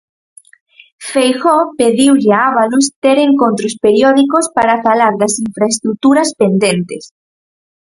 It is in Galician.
Feijóo pediulle a Ábalos ter encontros periódicos para falar das infraestruturas pendentes.